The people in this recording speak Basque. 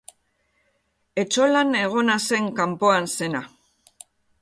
Etxolan egona zen kanpoan zena.